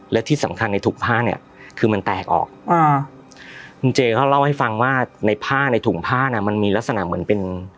และที่สำคัญในถุงผ้าเนี่ยคือมันแตกออกอ่าคุณเจเขาเล่าให้ฟังว่าในผ้าในถุงผ้าน่ะมันมีลักษณะเหมือนเป็น